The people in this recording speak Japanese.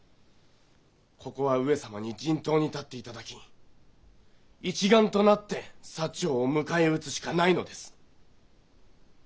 ここは上様に陣頭に立って頂き一丸となって長を迎え撃つしかないのです。